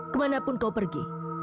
kemanapun kau pergi